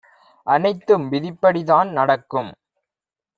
அனைத்தும் விதிப்படி தான் நடக்கும்